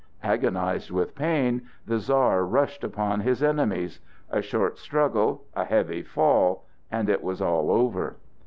Agonized with pain the Czar rushed upon his enemies. A short struggle, a heavy fall, and it was all over.